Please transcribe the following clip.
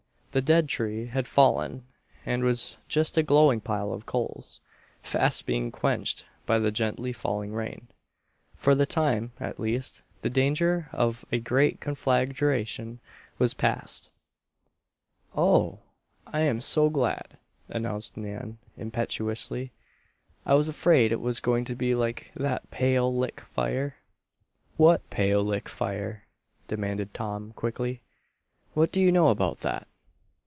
The dead tree had fallen and was just a glowing pile of coals, fast being quenched by the gently falling rain. For the time, at least, the danger of a great conflagration was past. "Oh! I am so glad," announced Nan, impetuously. "I was afraid it was going to be like that Pale Lick fire." "What Pale Lick fire?" demanded Tom, quickly. "What do you know about that?"